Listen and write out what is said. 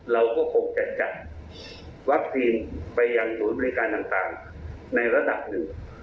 เราก็คงจะจัดวัคซีนไปยังศูนย์บริการต่างในระดับหนึ่ง